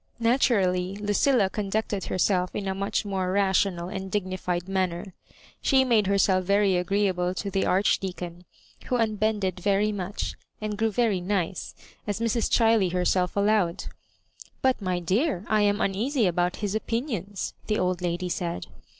Natu rally Lucilla conducted herself in a much more rational and dignified manner. She made her self very agreeable to the Archdeacon, who un bended very much, and grew very nice, as Mrs. Chiley herselt* allowed. " But, my dear, I am uneasy about his opinions," the old lady said.